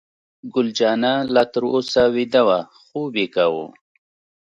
ګل جانه لا تر اوسه ویده وه، خوب یې کاوه.